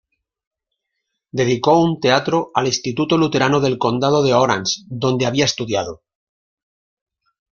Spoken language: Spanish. Dedicó un teatro al Instituto Luterano del Condado de Orange, donde había estudiado.